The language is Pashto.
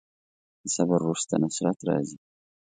د صبر وروسته نصرت راځي.